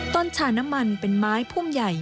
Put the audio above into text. ชาน้ำมันเป็นไม้พุ่มใหญ่